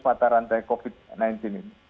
mata rantai covid sembilan belas ini